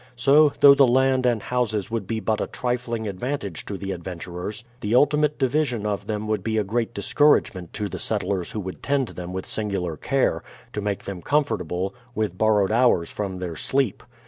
So, though the land and houses would be but a trifling advantage to the adventurers, the ultimate division of them would be a great discouragement to the settlers who would tend them with singular care, to make them comfortable, with borrowed hours from their sleep.